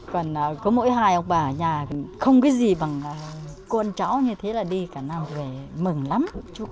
còn có mỗi hai ông bà ở nhà không biết gì bằng con cháu như thế là đi cả năm về mừng lắm